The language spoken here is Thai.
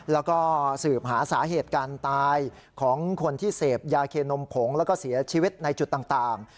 แล้วก็สืบหาสาเหตุการตายของคนที่เสพยาเคนมผงแล้วก็เสียชีวิตในจุดต่าง